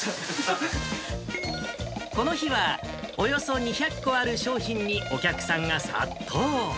この日は、およそ２００個ある商品にお客さんが殺到。